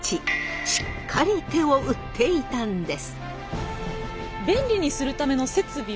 しっかり手を打っていたんです。